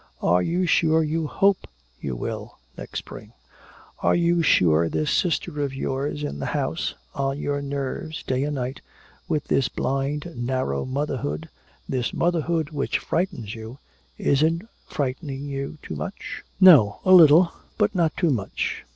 Are you sure you hope you will next spring? Are you sure this sister of yours in the house, on your nerves day and night, with this blind narrow motherhood, this motherhood which frightens you isn't frightening you too much?" "No a little but not too much."